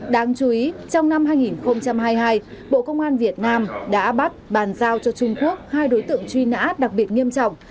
đáng chú ý trong năm hai nghìn hai mươi hai bộ công an việt nam đã bắt bàn giao cho trung quốc hai đối tượng truy nã đặc biệt nghiêm trọng